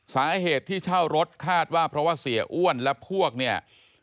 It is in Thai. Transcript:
สาเหตุที่เช่ารถคาดว่าเพราะว่าเสียอ้วนและพวกเนี่ย